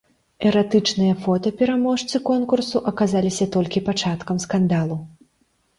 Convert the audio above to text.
Эратычныя фота пераможцы конкурсу аказаліся толькі пачаткам скандалу.